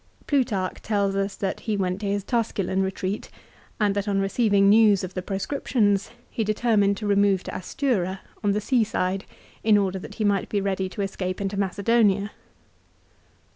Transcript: Plutarch tells us that he went to his Tusculan retreat, and that on receiving news of the proscriptions he determined to remove to Astura, on the sea side, in order that he might be ready to escape into Macedonia.